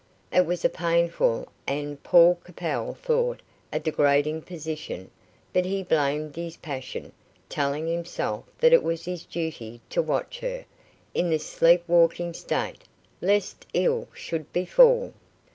It was a painful, and, Paul Capel thought, a degrading position; but he blamed his passion, telling himself that it was his duty to watch her, in this sleep walking state, lest ill should befall.